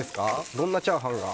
どんなチャーハンが。